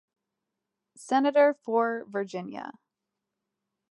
Senator for Virginia.